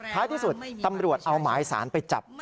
ท้ายที่สุดตำรวจเอาหมายสารไปจับ